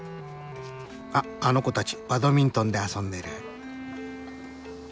あっあの子たちバドミントンで遊んでる。